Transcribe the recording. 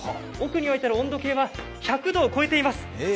奥に置いてある温度計は１００度を超えています。